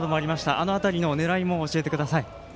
あの辺りの狙いも教えてください。